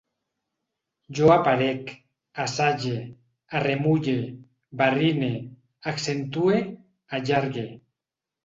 Jo aparec, assage, arremulle, barrine, accentue, allargue